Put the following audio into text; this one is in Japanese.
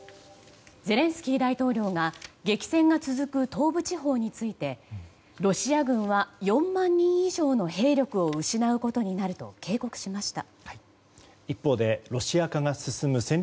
ゼレンスキー大統領が激戦が続く東部地方についてロシア軍は４万人以上の兵力を失うことになると警告しました。